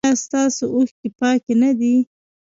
ایا ستاسو اوښکې پاکې نه دي؟